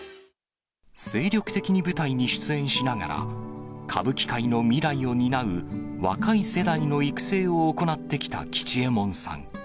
精力的に舞台に出演しながら、歌舞伎界の未来を担う若い世代の育成を行ってきた吉右衛門さん。